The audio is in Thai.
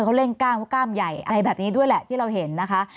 เขาเล่นกล้ามว่ากล้ามใหญ่อะไรแบบนี้ด้วยแหละที่เราเห็นนะคะ